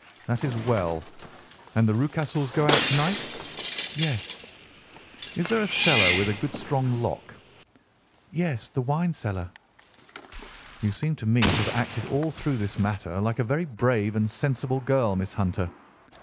"That is well. And the Rucastles go out to night?" "Yes." "Is there a cellar with a good strong lock?" "Yes, the wine cellar." "You seem to me to have acted all through this matter like a very brave and sensible girl, Miss Hunter.